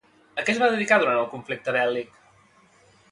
A què es va dedicar durant el conflicte bèl·lic?